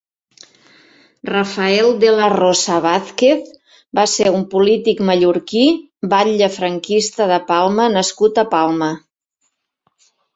Rafael de la Rosa Vázquez va ser un polític mallorquí, batlle franquista de Palma nascut a Palma.